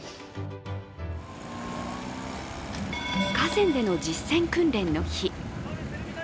河川での実践訓練の日。